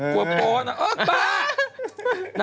กลัวบกลัวนะเนอะบ้า